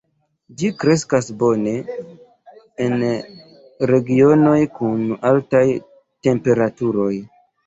Ĝi kreskas bone en regionoj kun altaj temperaturoj.